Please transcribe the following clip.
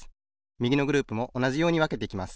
みぎのグループもおなじようにわけていきます。